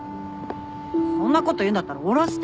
そんなこと言うんだったら下ろして！